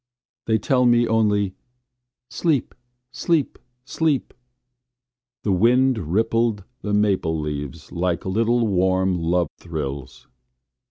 They tell me only: "sleep, sleep, sleep." The wind rippled the maple leaves like little warm love thrills.